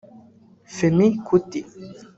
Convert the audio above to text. Femi Kuti